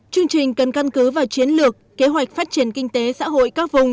chương trình cần căn cứ vào chiến lược kế hoạch phát triển kinh tế xã hội các vùng